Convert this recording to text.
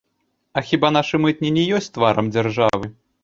А хіба нашы мытні не ёсць тварам дзяржавы?!